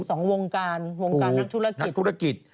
สองวงการวงการนักธุรกิจ